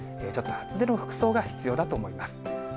ちょっと厚手の服装が必要だと思います。